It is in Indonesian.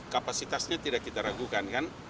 kapasitasnya tidak kita ragukan kan